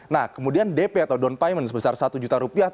nah kemudian dp atau down payment sebesar satu juta rupiah